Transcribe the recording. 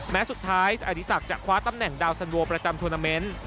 แม้สุดท้ายอดีศักดิ์จะคว้าตำแหน่งดาวสันโวประจำทวนาเมนต์